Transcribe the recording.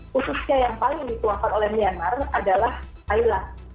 khususnya yang paling dituangkan oleh myanmar adalah thailand